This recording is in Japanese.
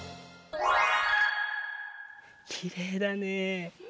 きれいだね。